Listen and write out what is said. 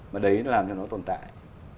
và đấy nó làm cho nó tồn tại